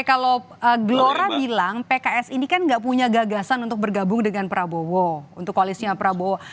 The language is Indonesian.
kalau glora bilang pks ini kan gak punya gagasan untuk bergabung dengan prabowo untuk koalisnya prabowo